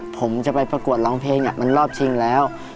ผมจะไปประกวดร้องเพลงมันรอบชิงแล้ว